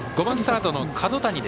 ５番、サードの角谷。